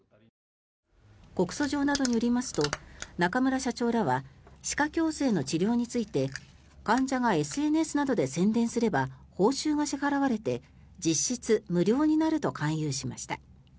告訴状などによりますと中村社長らは歯科矯正の治療について患者がＳＮＳなどで宣伝すれば報酬が支払われて実質無料になると勧誘しました。